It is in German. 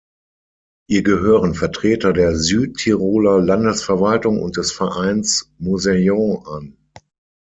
Ihr gehören Vertreter der Südtiroler Landesverwaltung und des Vereins Museion an.